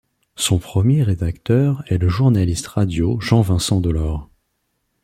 Son premier rédacteur est le journaliste radio Jean Vincent-Dolor.